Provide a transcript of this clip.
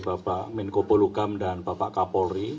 bapak menko polukam dan bapak kapolri